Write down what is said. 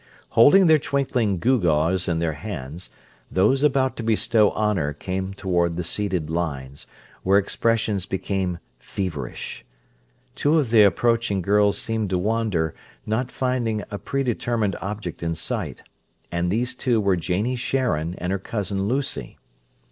Holding their twinkling gewgaws in their hands, those about to bestow honour came toward the seated lines, where expressions became feverish. Two of the approaching girls seemed to wander, not finding a predetermined object in sight; and these two were Janie Sharon, and her cousin, Lucy.